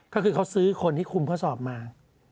ก็คือเขาซื้อคนที่คุมข้อสอบมา